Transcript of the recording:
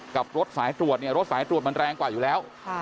กับรถสายตรวจเนี่ยรถสายตรวจมันแรงกว่าอยู่แล้ว